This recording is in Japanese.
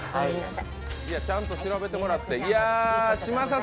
ちゃんと調べてもらって。